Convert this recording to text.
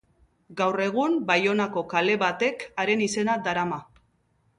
Gaur egun Baionako kale batek haren izena darama.